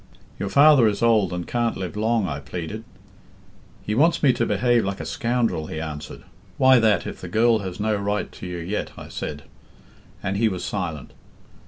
'Your father is old, and can't live long,' I pleaded. 'He wants me to behave like a scoundrel,' he answered. 'Why that, if the girl has no right to you yet?' I said, and he was silent.